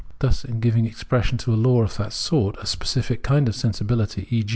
Thus in giving expression to a law of that sort, a specific kind of sensibility, e.